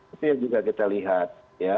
itu yang juga kita lihat ya